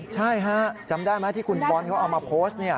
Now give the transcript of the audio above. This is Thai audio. ใช่ฮะจำได้ไหมที่คุณบอลเขาเอามาโพสต์